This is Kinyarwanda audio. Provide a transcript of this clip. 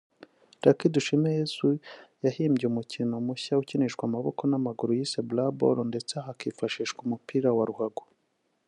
Luc Dushimeyezu yahimbye umukino mushya ukinishwa amaboko n’amaguru yise “Bloanball” ndetse hakifashishwa umupira wa ruhago